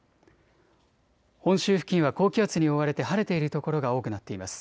本州付近は高気圧に覆われて晴れている所が多くなっています。